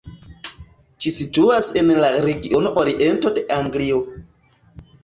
Ĝi situas en la regiono Oriento de Anglio.